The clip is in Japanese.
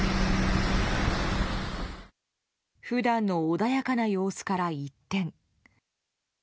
普段の穏やかな様子から一転。